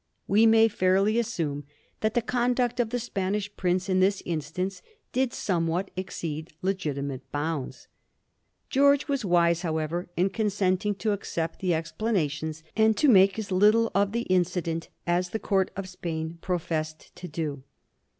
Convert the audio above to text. We may fairly assume that the conduct of the Spanish prince in this instance did somewhat exceed legitimate bounds. George was wise, however, in consenting to accept the explanations, and to make as little of the incident as the Court of Spain professed to do.